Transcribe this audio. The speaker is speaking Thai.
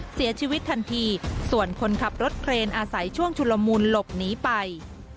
เสียชีวิตทันทีส่วนคนขับรถเครนอาศัยช่วงชุลมูลหลบหนีไป